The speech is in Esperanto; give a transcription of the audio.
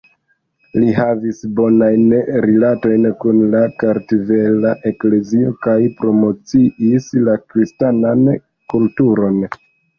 Li havis bonajn rilatojn kun la Kartvela Eklezio kaj promociis la kristanan kulturon.